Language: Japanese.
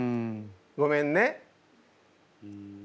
ごめんね。